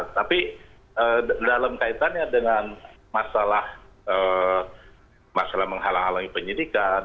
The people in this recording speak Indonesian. tapi dalam kaitannya dengan masalah menghalangi penyidikan